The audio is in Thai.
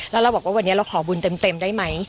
แล้วเราบอกว่าวันนี้เราขอบุญเต็มได้ไหม